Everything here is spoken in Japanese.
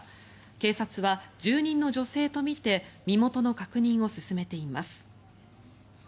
警察は住人の女性とみて身元の確認を進めています。